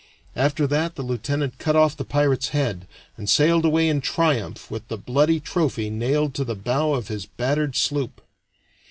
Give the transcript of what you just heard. After that the lieutenant cut off the pirate's head, and sailed away in triumph, with the bloody trophy nailed to the bow of his battered sloop.